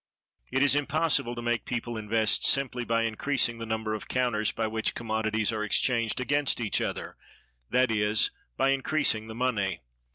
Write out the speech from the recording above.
It is impossible to make people invest, simply by increasing the number of counters by which commodities are exchanged against each other; that is, by increasing the money.